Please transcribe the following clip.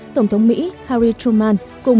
tổng thống mỹ harry truman cùng nước mỹ